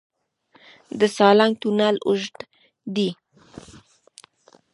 د سالنګ تونل اوږد دی